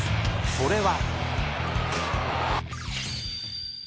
それは。